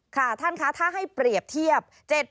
ค่ะท่านคะถ้าให้เปรียบเทียบ